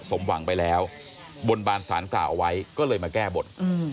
สมหวังไปแล้วบนบานสารกล่าวเอาไว้ก็เลยมาแก้บน